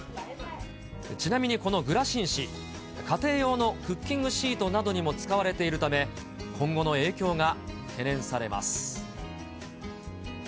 ちなみにこのグラシン紙、家庭用のクッキングシートなどにも使われているため、今後の影響が懸念されます。